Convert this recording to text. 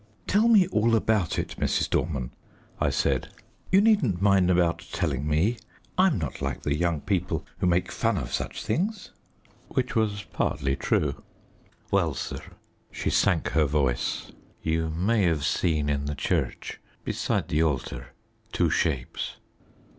"Tell me all about it, Mrs. Dorman," I said; "you needn't mind about telling me. I'm not like the young people who make fun of such things." Which was partly true. "Well, sir" she sank her voice "you may have seen in the church, beside the altar, two shapes."